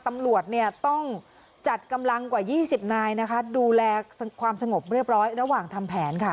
ตำรวจเนี่ยต้องจัดกำลังกว่า๒๐นายนะคะดูแลความสงบเรียบร้อยระหว่างทำแผนค่ะ